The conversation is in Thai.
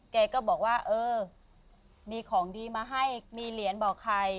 แกก็บอกว่าเออมีของดีมาให้มีเหรียญบอกใคร